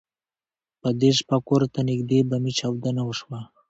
په دې شپه کور ته نږدې بمي چاودنه وشوه.